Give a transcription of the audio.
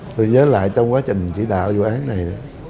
tôi nhớ lại trong quá trình chỉ đạo vụ án này đó